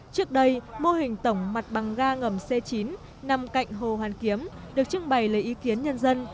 trước đây mô hình tổng mặt bằng ga ngầm c chín nằm cạnh hồ hoàn kiếm được trưng bày lấy ý kiến nhân dân